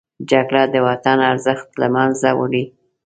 جګړه د وطن ارزښت له منځه وړي